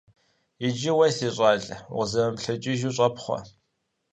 Иджы уэ, си щӀалэ, укъызэмыплъэкӀыу щӀэпхъуэ.